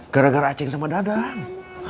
gara gara ceng sama dadah